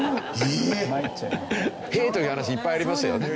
へえ！という話いっぱいありますよね。